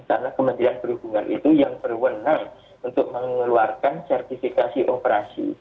karena kementerian perhubungan itu yang berwenang untuk mengeluarkan sertifikasi operasi